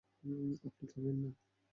আপনি খাবেন না?